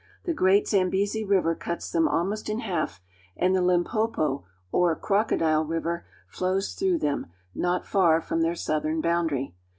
The great Zambezi River cuts them almost in half, and the Limpopo (lim p5'po), or Crocodile River, flows through them not far from their southern boundary.